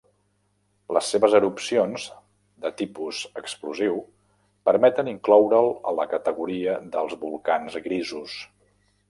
Les seves erupcions, de tipus explosiu, permeten incloure'l a la categoria dels volcans grisos.